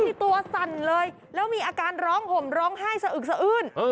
ตัวสั่นเลยแล้วมีอาการร้องห่มร้องไห้สะอึกสะอื้น